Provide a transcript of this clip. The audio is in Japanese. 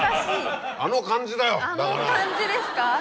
あの感じですか。